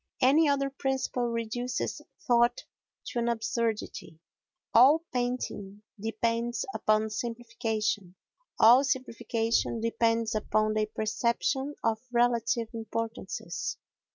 Any other principle reduces thought to an absurdity. All painting depends upon simplification. All simplification depends upon a perception of relative importances.